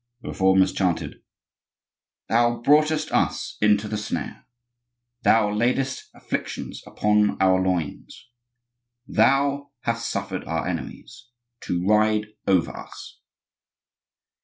The Reformers chanted:— "Thou broughtest us into the snare; Thou laidest afflictions upon our loins; Thou hast suffered our enemies To ride over us."